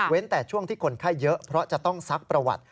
แต่ช่วงที่คนไข้เยอะเพราะจะต้องซักประวัติ